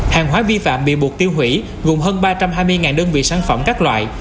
hàng hóa vi phạm bị buộc tiêu hủy gồm hơn ba trăm hai mươi đơn vị sản phẩm các loại